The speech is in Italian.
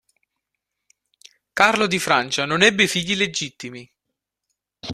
Carlo di Francia non ebbe figli legittimi.